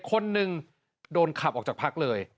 คนหนึ่งโดนขับออกจากพักเลย